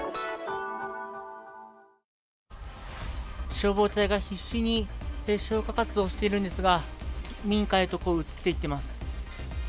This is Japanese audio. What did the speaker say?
消防隊が必死に消火活動をしているんですが民家へと移っていっています。